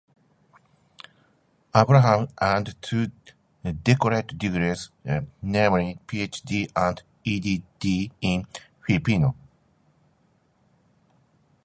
Abdurahman earned two doctorate degrees namely PhD and EdD in Filipino.